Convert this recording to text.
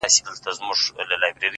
سوخ خوان سترگو كي بيده ښكاري ـ